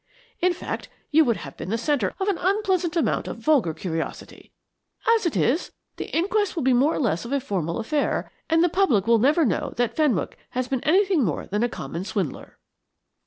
In fact, you would have been the centre of an unpleasant amount of vulgar curiosity. As it is, the inquest will be more or less of a formal affair, and the public will never know that Fenwick has been anything more than a common swindler."